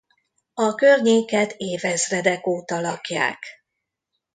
A környéket évezredek óta lakják.